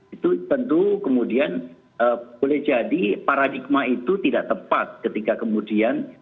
itu tentu kemudian boleh jadi paradigma itu tidak tepat ketika kemudian